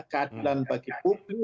keadilan bagi publik